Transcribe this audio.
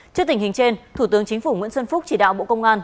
trước tình hình trên thủ tướng chính phủ nguyễn xuân phúc chỉ đạo bộ công an